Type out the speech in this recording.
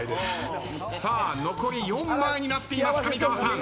さあ残り４枚になっています上川さん。